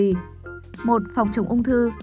một phòng chống ung thư